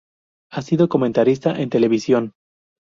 Ha sido comentarista en televisión.